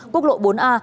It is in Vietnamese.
quốc lộ bốn a